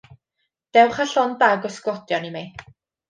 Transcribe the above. Dewch â llond bag o sglodion i mi.